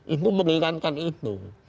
itu mengirankan itu